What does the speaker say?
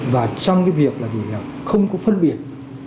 và trong cái việc là gì là không có phân biệt